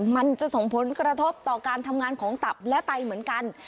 มันจะส่งผลกระทบต่อการทำงานของตับและไตเหมือนกัน